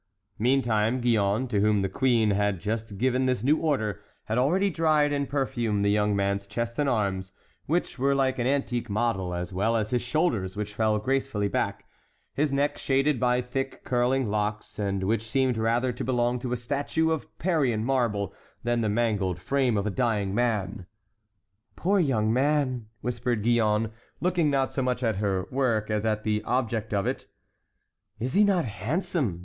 Meantime Gillonne, to whom the queen had just given this new order, had already dried and perfumed the young man's chest and arms, which were like an antique model, as well as his shoulders, which fell gracefully back; his neck shaded by thick, curling locks, and which seemed rather to belong to a statue of Parian marble than the mangled frame of a dying man. "Poor young man!" whispered Gillonne, looking not so much at her work as at the object of it. "Is he not handsome?"